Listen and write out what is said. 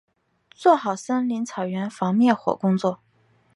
做好森林草原防灭火工作